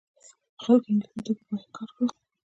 خلکو انګلیسي توکي بایکاټ کړل.